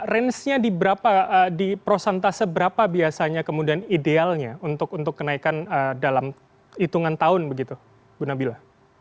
range nya di prosentase berapa biasanya kemudian idealnya untuk kenaikan dalam hitungan tahun begitu bu nabila